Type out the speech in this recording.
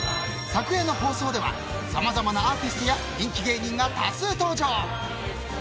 昨年の放送ではさまざまなアーティストや人気芸人が多数登場。